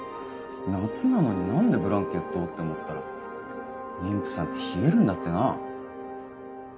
夏なのに何でブランケット？って思ったら妊婦さんって冷えるんだってな。